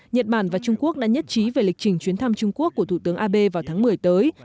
nhật bản và trung quốc đã nhất trí về lịch trình chuyến thăm trung quốc của thủ tướng abe vào tháng một mươi tới